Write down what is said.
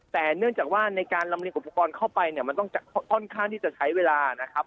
แต่เนื่องจากว่าในการลำเรียงอุปกรณ์เข้าไปเนี่ยมันต้องค่อนข้างที่จะใช้เวลานะครับ